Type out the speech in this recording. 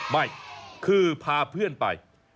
ไม่คือพาเพื่อนไป